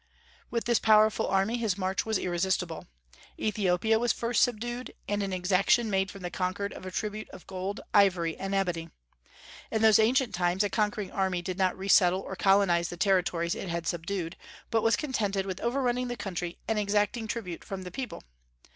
With this powerful army his march was irresistible. Ethiopia was first subdued, and an exaction made from the conquered of a tribute of gold, ivory, and ebony. In those ancient times a conquering army did not resettle or colonize the territories it had subdued, but was contented with overrunning the country and exacting tribute from the people.